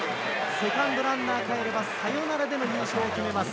セカンドランナーかえれば、サヨナラでの優勝を決めます。